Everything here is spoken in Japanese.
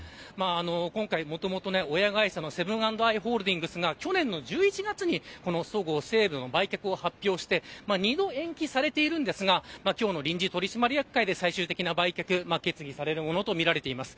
今回もともと親会社のセブン＆アイ・ホールディングスが去年の１１月にそごう・西武の売却を発表して２度延期されているんですが今日の臨時取締役会で最終的な売却が決議されるものとみられています。